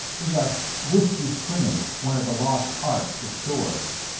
Is a "whiskey scrimmage" one of the lost arts restored?